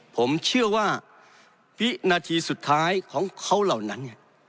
ผมเชื่อว่าวินาทีสุดท้ายของเขาเหล่านั้น